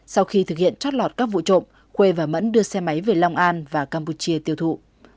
sau khi thực hiện trót lọt các vụ trộm khuê và mẫn đưa xe máy về long an và campuchia tiêu thụ